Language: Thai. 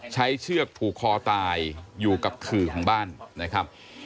เชือกผูกคอตายอยู่กับขื่อของบ้านนะครับ